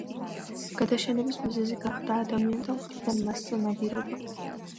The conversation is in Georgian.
გადაშენების მიზეზი გახდა ადამიანთა მხრიდან მასზე ნადირობა.